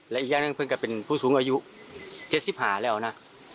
แล้วอีกอย่างเพิ่งกับเป็นผู้สูงอายุ๗๕แล้วน่ะ